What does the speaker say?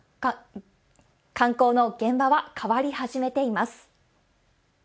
観光の現場は変わり始めています。